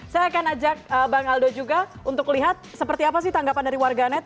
saya akan ajak bang aldo juga untuk lihat seperti apa sih tanggapan dari warganet